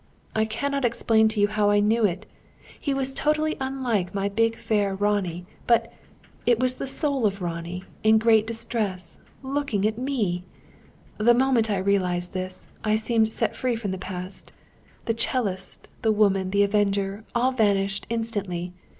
I cannot explain to you how I knew it! He was totally unlike my big fair Ronnie, but it was the soul of Ronnie, in great distress, looking at me! The moment I realised this, I seemed set free from the past. The 'cellist, the woman, the Avenger, all vanished instantly.